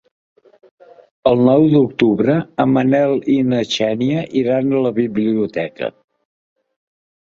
El nou d'octubre en Manel i na Xènia iran a la biblioteca.